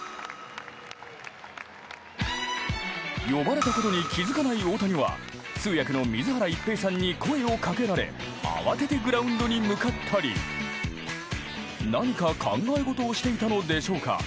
呼ばれたことに気づかない大谷は通訳の水原一平さんに声を掛けられ慌ててグラウンドに向かったり何か考えごとをしていたのでしょうか。